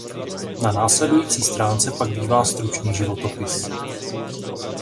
Na následující stránce pak bývá stručný životopis.